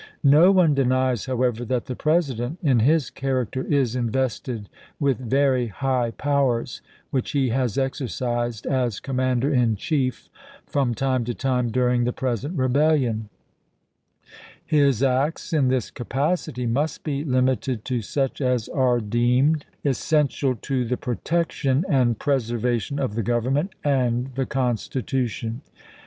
No one denies, however, that the President, in his character, is invested with very high powers, which he has ex ercised, as Commander in Chief, from time to time during the present rebellion. His acts in this capacity must be limited to such as are deemed GKNKRAL ROBERT C. SCHENCK. VALLANDIGHAM 337 essential to the protection and preservation of the chap. xii. Government and the Constitution.